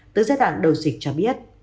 từ giai đoạn đầu dịch cho biết